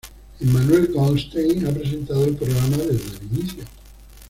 Emmanuel Goldstein ha presentado el programa desde el inicio.